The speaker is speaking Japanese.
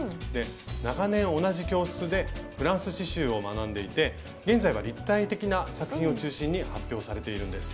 長年同じ教室でフランス刺しゅうを学んでいて現在は立体的な作品を中心に発表されているんです。